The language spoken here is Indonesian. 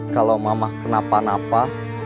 kalau mama kenapa napa